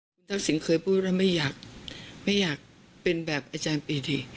คุณทักษิณเคยพูดว่าไม่อยากไม่อยากเป็นแบบอาจารย์ปีดี